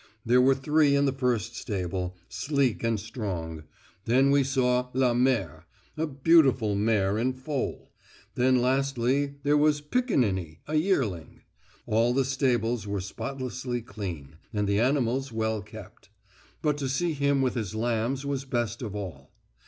There were three in the first stable, sleek and strong; then we saw la mère, a beautiful mare in foal; then lastly there was 'Piccaninny,' a yearling. All the stables were spotlessly clean, and the animals well kept. But to see him with his lambs was best of all.